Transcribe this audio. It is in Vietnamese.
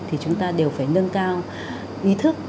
thì chúng ta đều phải nâng cao ý thức